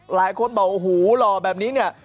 หลายคนบอกโอ้โหหล่อแบบนี้เนี่ย